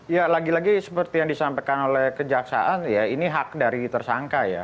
ya lagi lagi seperti yang disampaikan oleh kejaksaan ya ini hak dari tersangka ya